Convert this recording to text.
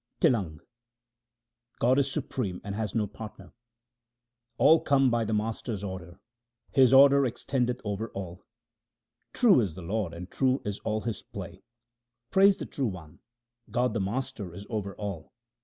TlLANG God is supreme and has no partner :— All come by the Master's order ; His order extendeth over all. True is the Lord, and true is all His play. Praise the True One ; God the Master is over all.